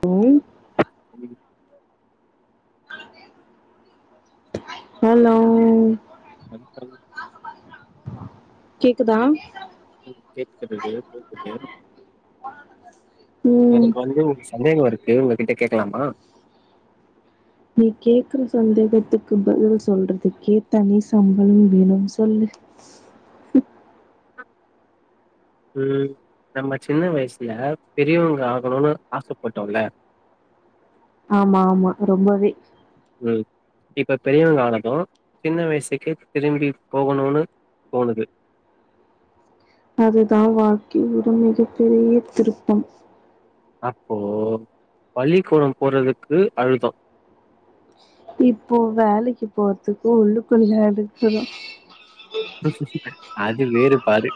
Hello சொல்லுங்க hello வணக்கம் கேக்குதா ம் கேட்டுகிட்டு இருக்கே கேக்குது ம் எனக்கு வந்து சந்தேகம் இருக்கு உங்ககிட்ட கேக்கலாமா நீ கேக்குற சந்தேகத்துக்கு பதில் சொல்றதுக்கே தனி சம்பளம் வேணும் சொல்லு ம் நம்ம சின்ன வயசுல பெரியவங்க ஆகணுன்னு ஆசப்பட்டோல்ல ஆமா ஆமா ரொம்பவே ம். இப்ப பெரியவங்க ஆனது சின்ன வயசுக்கே திரும்பி போகணுனு தோணுது அதுதா வாழ்க்கையோட மிக பெரிய திருப்பம் அப்போ பள்ளிக்கூடம் போறதுக்கு அழுதோ இப்போ வேலைக்கு போறதுக்கு உள்ளுக்குள்ளியே அழுகுரோ அது வேறு பாரு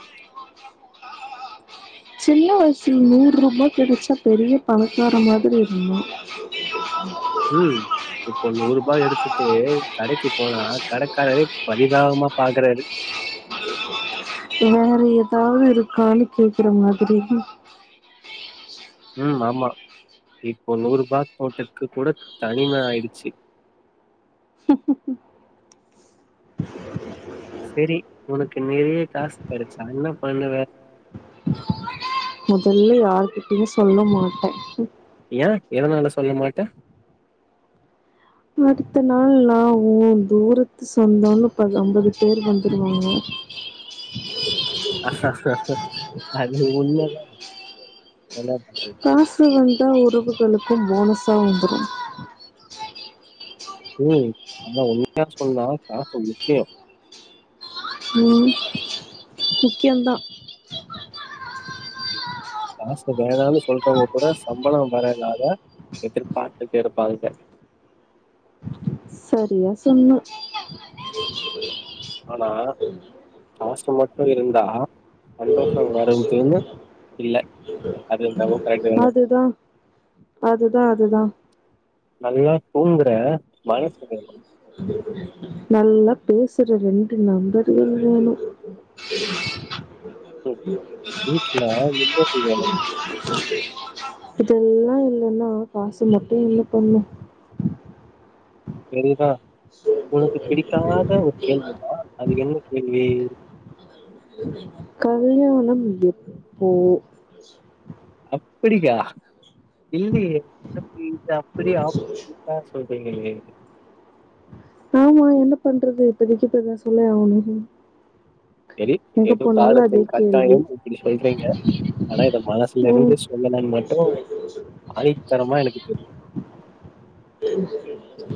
சின்ன வயசுல நூறு ரூபாய் கெடைச்சா பெரிய பணக்காரே மாதிரி இருந்தோ உஹம் இப்போ நூறு ரூபாய் எடுத்துட்டு கடைக்கு போனா கடைக்காரரே பரிதாபமா பாக்குறாரு வேற ஏதாவது இருக்கான்னு கேக்குற மாதிரி உம் ஆமா இப்போ நூறுபா தோட்டத்துக்கு கூட தனிம ஆயிடுச்சு [inaudible] சேரி உனக்கு நெறைய காசு கெடைச்சா என்ன பண்ணுவ முதல்ல யாருகிட்டையும் சொல்ல மாட்டேன் ஏன் எதனால சொல்ல மாட்டே அடுத்த நாள் நா உ தூரத்து சொந்தோன்னு பத ஐம்பது பேர் வந்துருவாங்க அது உண்மதா என்ன பண்றது காசு வந்து தா எல்லா உறவுகளுக்கும் போனஸா வந்துரும் உஹம் அதான் உண்மையா சொன்னா காசு முக்கியம் உம் முக்கியந்தா காசு வேணான்னு சொல்றவங்க கூட சம்பளோ வர நாள எதிர்பாத்துட்டே இருப்பாங்க செரியா சொன்ன ஆனா காசு மட்டு இருந்தா சந்தோஷோ வரும் தேனே இல்ல அது என்னவோ கரெக்டு தானே அதுதான் அதுதான் அதுதான் நல்லா தூங்குற மனசு வேனு நல்லா பேசுற ரெண்டு நபர்கள் வேணும் உம் வீட்டுல நிம்மதி வேணும் இதெல்லா இல்லைன்னா காசு மட்டும் என்ன பண்ணு சரிதா உனக்கு பிடிக்காத ஒரு கேள்வினா அது என்ன கேள்வி கல்யாணம் எப்போ அப்படியா இல்லையே எனக்கு இத அப்டி ஆப்போசிட்டா சொல் புரியலையே ஆமா என்ன பண்றது இப்பதக்கு பதில் சொல்லிதா அவனும் செரி ஏதோ காலத்தின் கேள்வி கட்டாயம் இப்படி சொல்றீங்க ஆனா இத மனசுல ம் இருந்து சொல்லன்னு மட்டோ ஆணிதனமா எனக்கு தெரியுது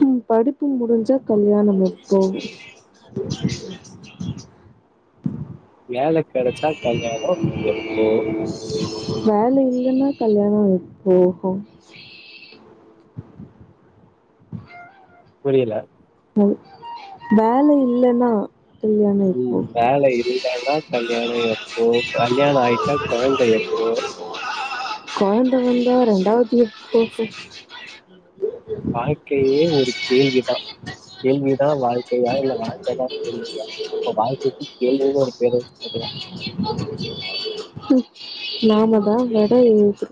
உம் படிப்பு முடிஞ்சா கல்யாணம் எப்போ வேலைக் கெடச்சா கல்யாணோ எப்போ இல்ல கல்யாணோ எப்போ புரியல வேல இல்லன்னா கல்யாணம் எப்போ உம் வேல இலைன்னா கல்யாண [unintelligible] எப்போ? கொழந் த வந்தா ரெண்டாவது எப்போ வாழ்க்கையையே ஒரு கேள்விதா கேள்வி தா வாழ்க் வாழ்க்கைக்கு கேள்வின்னு ஒரு பேர வச்சுக்கலாம். ம் நாமதா வட எழுத்து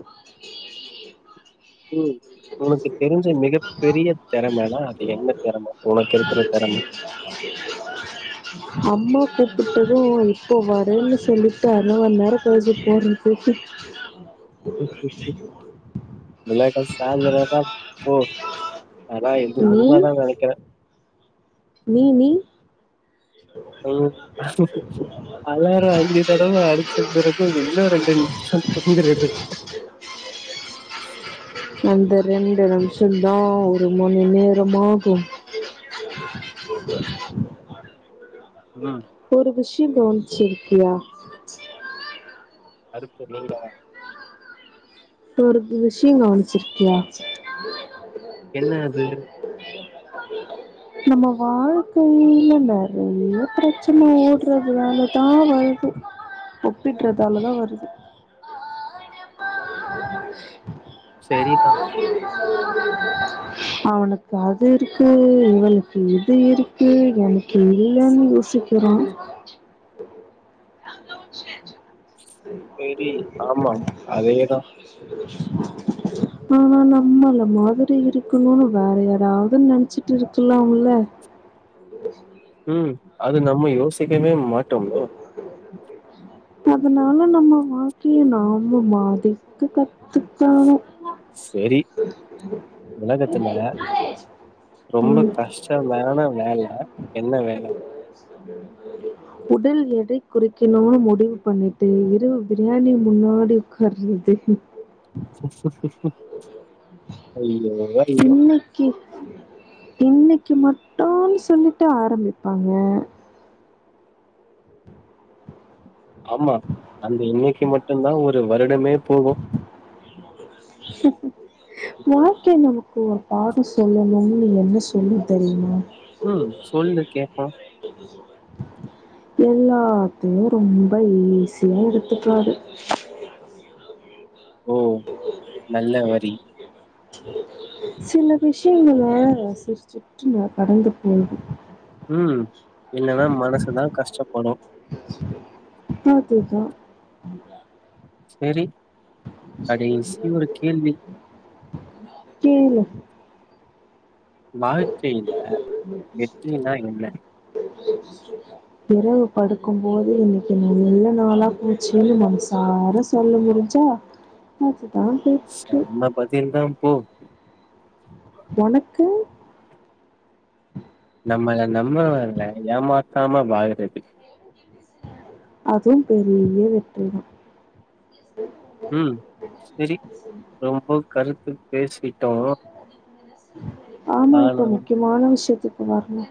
ம் உனக்கு தெரிஞ்ச மிகப்பெரிய தெறமன்னா அது என்ன தெறம உனக்கு இருக்குற தெறம கூப்பிட்டதும் இப்போ வரேன்னு சொல்லிட்டு அரமநேரோ கழிச்சி போறேன் கூப்பிட் ஹ ஹ ஹ ஹ பிளாக் அத சார்ஜரோட ஃபோன் அதா எந்து நீ உண்மாதான நெனைக்குறே நீ நீ ஹலோ அலாரம் அஞ்சி தடவ அடிச்ச பிறகோ இன்னோ ரெண்டு நிமிஷோ தூங்கறதுக்கோ அந்த ரெண்டு நிமிஷோ தா ஒரு மணி நேரமாகும் ம் ஒரு விஷயோ தோணுச்சு கியா அடுத்து நீங்கலா ஒரு து விஷயோ கவனிச்சிருக்கியா என்ன அது நம்ம வாழ்க்கையில நறயா பிரச்சனை ஓடுறதுனாலதா வருது ஒப்பிடுறதாலதா வருது செரிதா அவனுக்கு அது இருக்கு இவளுக்கு இது இருக்கு எனக்கு இல்லன்னு யோசிக்கிறோ சரி ஆமா அதேதான் ஆனா நம்மள மாதிரி இருக்கணோனு வேற யாராவது நெனச்சிட்டு இருக்கலால ம் அது நம்ம யோசிக்கவே மாட்டோமோ அதனால நம்ம வாழ்க்கைய நாம மாதிக்க கத்துக்கணோ சரி உலகத்துல ரொம்ப கஷ்டமான வேல என்ன வேல உடல் எடை குறைக்கணோனு முடிவு பண்ணிட்டு இரவு பிரியாணி முன்னாடி உக்காறது அய்யோ அய்யோ இன்னிக்கு மட்டோனு சொல்லிட்டு ஆரம்பிப்பாங்க ஆமா அந்த இன்னைக்கு மட்டும்தா ஒ ஒரு வருடமே போகும் வாழ்க்கை நமக்கு இப்ப ஒரு பாட்டு சொல்லனும்னு என்ன சொல்ல தெரியுமா ம் சொல்லு கேப்போம் நீ சொல்றது நல்ல ஐடியா தான் நீ வேற எங்க இருந்து சொல்ற எல்லாத்தையு ரொம்ப ஈஸியா எடுத்துக்காது ஓ நல்ல வரி சில விஷ்யங்கள சிரிச்சுட்டு நா கடந்து போகு ம் இல்லனா மனசுதா கஷ்டப்படு அதுதான் செரி கேளு வாழ்க்கைல வெற்றினா என்ன இரவு படுக்கும்போது இன்னக்கி நல்ல நாளா போச்சின் மனசார சொல்ல முடிஞ்சா அ சம்ம பதில்தா போ ஒனக்கு நம்மள நம்புறவங்ள ஏமாத்தாம வாழுறது அதும் பெரிய வெற்றி தா ம். சரி, ரொம்ப கருத்து பேசிட்டோ ஆமா இப்ப முக்கியமான விஷ்யத்து கு வர்ணு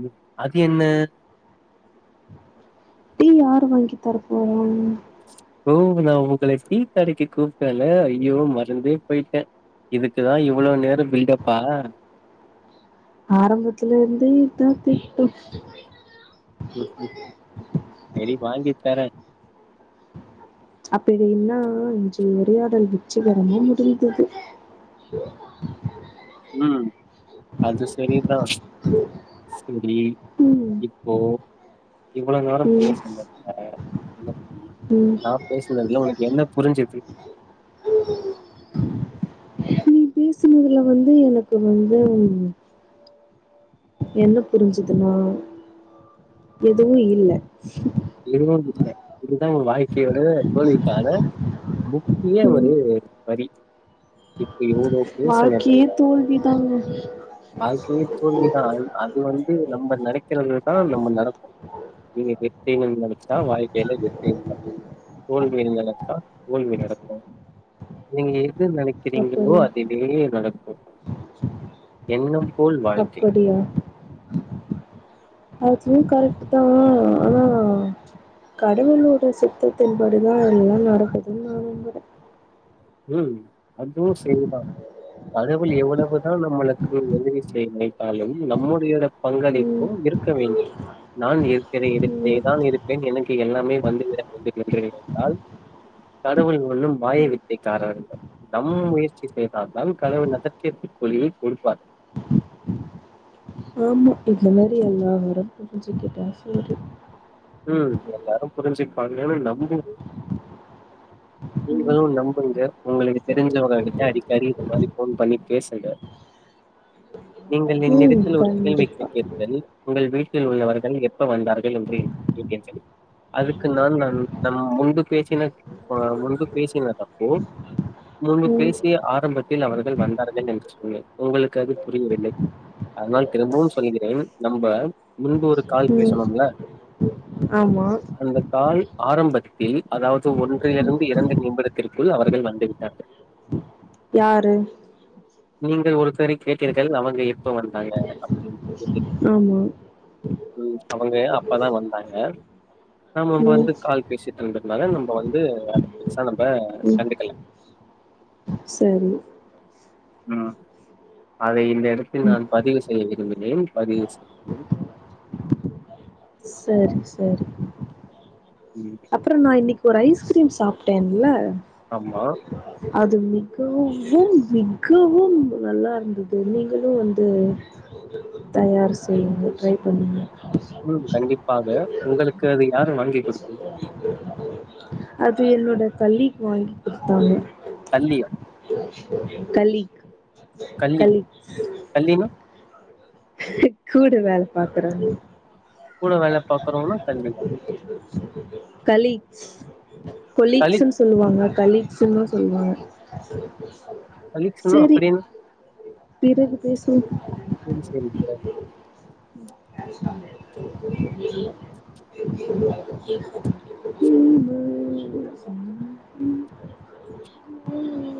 ம் அது என்ன டீ யாரு வாங்கி தரப்போறோ ஓ நா உங்கள டீ கடைக்கி கூப்ட்டேல அய்யோ மறந்தே போய்ட்டே இதுக்குதா இவ்ளோ நேரோ பில்டப்பா ஆரம்பத்துல இருந்தே [inaudible] செரி வாங்கித்தறே அப்பிடின்னா இன்று உரையாடல் வெற்றிகரமா முடிந்தது ம் அது செரிதா செரி ம் இப்போ இவ்ளோ நேரோ ம் பேசுனதுல ம் நா பேசுனதுல உனக்கு என்ன புரிஞ்சிது நீ பேசுனதுல வந்து எனக்கு வந்து என்ன புரிஞ்சிதுன்னா எதுவு இல்ல [unintelligible] இதுதா உ வாழ்க்கையோட தோல்விக்கான முக்கிய ஒரு வரி இப்ப இவ்ளோ வாழ்க்கையே பேசுனதில்ல தோல்விதாங்க வாழ்க்கையே தோல்விதா அ அது வந் து நம்ப நெனைக் கிறதுதா நம்ப நடக்கு [unintelligible] பேமெண் நெனைச்சா வாழ்க்கையில வெற்றியே நடக் தோல்விய நெனைச்சா தோல்வி நடக்கு நீங்க எது நினைக்கிறீங்களோ அப்படி அதுவே நடக்கு. எண்ணம் போல் வாழ்க்கை. அப்படியா அதுவு கரெக்ட்டுதா ஆனா கடவுளோட சித்தத்தின்படிதா எல்லா நடக்குதுனு நா நம்பற. உம் அதுவு செரிதா கடவுள் எவ்வளவுதா நம்மளுக்கு உதவி செய்லை அதுலருந்து நம்முடைய ம் பங்களிப்பும் இருக்க வேண்டும். நான் இருக்கிற ம் இடத்துலயேதான் இருப்பேன் எனக்கு எல்லாமே [unintelligible] [inaudible] என்றால் கடவுள் சொல்லும் வாயை [unintelligible] நம்ம முயற்சி செய்தால்தான் கடவுள் அதற்கு ஏத்த கூலியை குடுப்பார். ஆமாம் இந்த மாரி எல்லா அவரும் புரிஞ்சிக்கிட்டா சேரி. உஹம் எல்லாரும் புரிஞ்சு பாங்கனு நம்புவோ ம் நீங்களும் நம்புங்க உங்களுக்கு தெரிஞ்சவங்க கிட்ட அடிக்கடி இந்த மாரி போன் பண்ணி பேசுங்க நீங்கள் ம் என்னிடத்தில் ஒரு கேள்வி கண்டிப்பா கேட்டீர்கள் உங்கள் வீட்டில் உள்ளவர்கள் எப்ப வந்தார்கள் என்று கேட்டீர்கள் அதுக்கு நான் நான் நம் முன்பு பேச்சின முன்பு பேசின தப்போ முன்பு ம் பேசிய ஆரம்பத்தில் அவர் வந்தார்கள் என்று சொன்னேன் உங்களுக்கு அது புரியவில்லை அதனால் திரும்பவும் சொல்கிறேன் நம்ப முன்பு ஒரு கால் ம் பேசணோம்ல்ல ஆமா அந்த கால் ஆரம்பத்தில் அதாவது ஒன் றிலிருந்து இரண்டு நிமிடத்திற்குள் அவர்கள் வந்துவிட்டார்கள் யாரு நீங்க ஒரு சரி கேட்டீர்கள் அவங்க எப்ப வந்தாங்க அப்படின்னு கேட்டீர்கள் ஆமா உம் அவங்க அப்பதா வந்தாங்க நம்ம நாம ம் வந்து கால் பேசிருந்ததுனால நம்ம வந்து அ பெதுசா நம்ம ம் கண்டுக்கல சரி உம் அதே இடத்தில் ம் நான் பதிவு செய்ய விரும்புகிறேன் பதிவு செய் சரி சரி ம். அப்புறோ நா இன்னைக்கு ஒரு ஐஸ்கிரீம் சாப்பிட்டேன்ல்ல ஆமா. அது மிகவும் மிகவும் நல்லா இருந்தது நீங்களு வந்து தயார் செய்யுங்க ட்ரை பண்ணுங்க உம் கண்டிப்பாக உங்களுக்கு அது யாரு வாங்கி குடுத்தது? [inaudible] அது என்னோட தள்ளிக்கு வாங்கி குடுத்தாங்க அல்லியா கலிக் கல்லி கல்லினா கூட வேல பாக்குறவங்க கூட வேல பாக்குறோங்களா கல்லிகா கலீக்ஸ் கலீக் கொலீக்ஸுன் சொல்லுவாங்க கலீக்ஸுன்னு சொல்லுவாங்க கலிக்ஸ்னா சரி அப்டியன பிறகு பேசுவோம் டீம்ஸ் சரி [unintelligible] [inaudible]